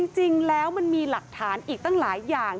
จริงแล้วมันมีหลักฐานอีกตั้งหลายอย่าง